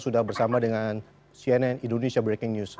sudah bersama dengan cnn indonesia breaking news